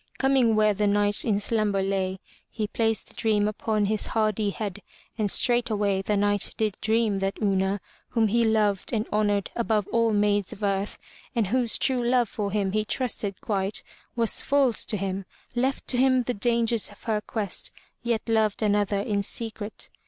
Coming where the Knight in slumber lay, he placed the dream upon his hardy head, and straightway the Knight did dream that Una, whom he loved and honored above all maids of earth and whose true love for him he trusted quite, was false to him, left to him the dangers of her quest, yet loved another in secret.